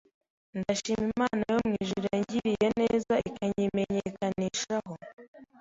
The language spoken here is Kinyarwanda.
Ndashima Imana yo mu ijuru yangiriye neza ikanyimenyekanishaho